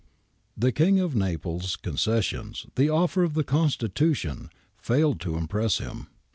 * The King of Naples' concessions, the offer of the constitution, failed to impress him.